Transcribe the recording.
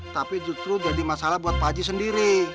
tapi justru jadi masalah buat paji sendiri